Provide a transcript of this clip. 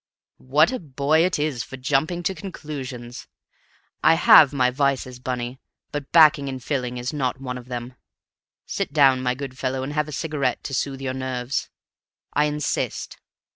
"What a boy it is for jumping to conclusions! I have my vices, Bunny, but backing and filling is not one of them. Sit down, my good fellow, and have a cigarette to soothe your nerves. I insist.